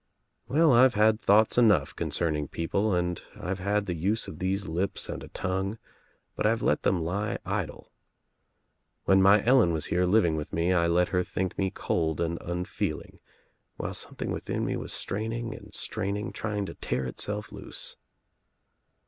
"Well I've had thoughts enough concerning people and I've had the use of these lips and a tongue but I've let them lie idle. When my Ellen was here living with me I let her think me cold and unfeeling while something within mc was straining and straining trying to tear itself loose."